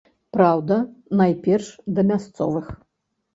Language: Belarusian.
Праўда, найперш да мясцовых.